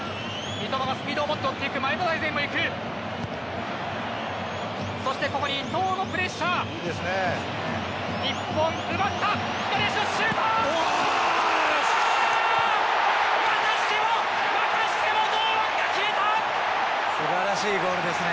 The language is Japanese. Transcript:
三笘がスピードを持って追っていく前田大然もいくそしてここに伊東のいいですね。